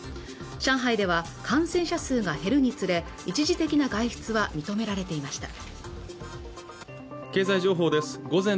上海では感染者数が減るにつれ一時的な外出は認められていました